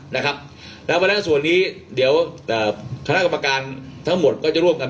นะครับและก็แล้วส่วนนี้เดี๋ยวอ่าคณะกรรมการทั้งหมดก็จะร่วมกับ